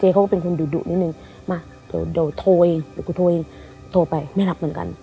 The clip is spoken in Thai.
เขาก็เป็นคนดุดุนิดนึงมาเดี๋ยวโทรเองเดี๋ยวกูโทรเองโทรไปไม่รับเหมือนกัน